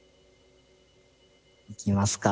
いきますか。